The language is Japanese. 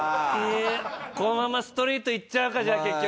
このままストリートいっちゃうかじゃあ結局。